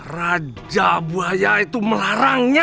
raja buaya itu melarangnya